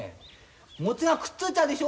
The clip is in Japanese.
餅がくっついちゃうでしょ。